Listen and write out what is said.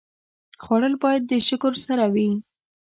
خوړل باید د شکر سره وي